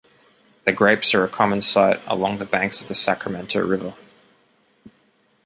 The grapes are a common sight along the banks of the Sacramento River.